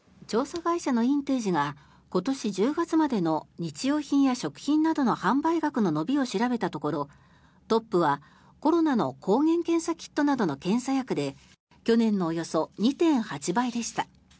調査会社のインテージが今年１０月までの日用品や食品などの販売額の伸びを調べたところトップはコロナの抗原検査キットなどの検査薬で去年のおよそ２．８倍でした。